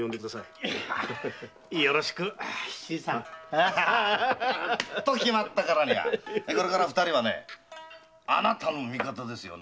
よろしく新さん！と決まったからにはこれから二人はあなたの味方ですよ。